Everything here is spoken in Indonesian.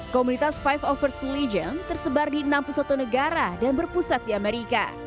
komunitas lima ratus satu st legion tersebar di enam puluh satu negara dan berpusat di amerika